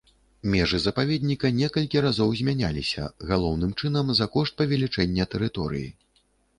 Межы запаведніка некалькі разоў змяняліся, галоўным чынам за кошт павелічэння тэрыторыі.